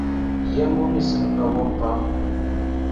Yambu mí simpa wabu pam.